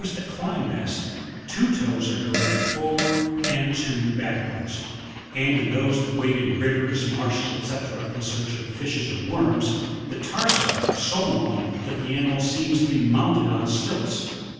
15 climb best, two toes are directed forward and two backwards ; and in those that wade in rivers, marshes, &c., in search of fishes or worms, the tarsi are so long that the animal seems to be mounted on stilts.